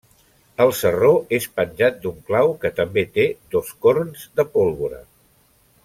El sarró és penjat d'un clau que també té dos corns de pólvora.